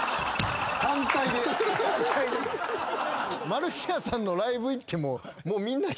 マルシアさんのライブ行ってももうみんな。